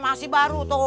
masih baru tuh